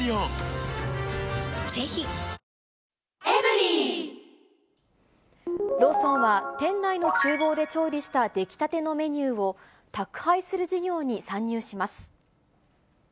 本当、ローソンは、店内のちゅう房で調理した出来たてのメニューを、宅配する事業に参入します。